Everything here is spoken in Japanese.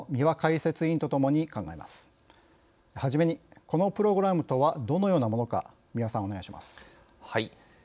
はじめに、このプログラムとはどのようなものかはい。